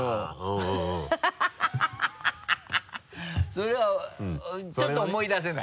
それはちょっと思い出せない？